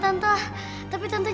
embalan dan visi